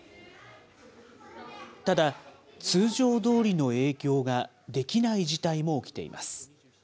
ただ、通常どおりの営業ができない事態も起きています。